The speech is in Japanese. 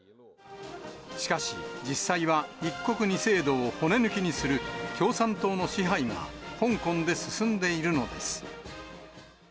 しかし、実際は一国二制度を骨抜きにする、共産党の支配が香港で進んでいるのです。